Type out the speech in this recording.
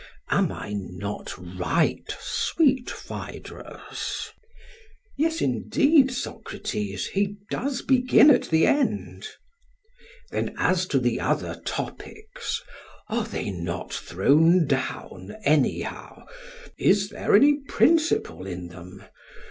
Am I not right, sweet Phaedrus? PHAEDRUS: Yes, indeed, Socrates; he does begin at the end. SOCRATES: Then as to the other topics are they not thrown down anyhow? Is there any principle in them?